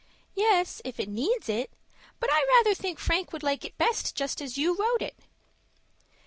"Yes, if it needs it; but I rather think Frank would like it best just as you wrote it."